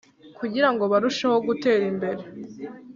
kugira ngo barusheho gutera imbere